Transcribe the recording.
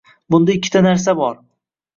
Bunda ikkita narsa bor.